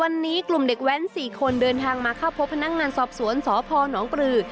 วันนี้กลุ่มเด็กแว้น๔คนเดินทางมาเข้าพบพนักงานสอบสวนสพนปรือ